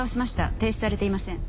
提出されていません。